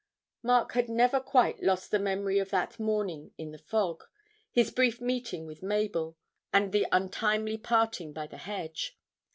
Mark had never quite lost the memory of that morning in the fog, his brief meeting with Mabel, and the untimely parting by the hedge.